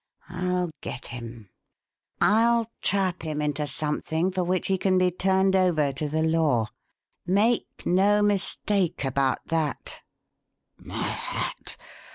I'll get him; I'll trap him into something for which he can be turned over to the law make no mistake about that." "My hat!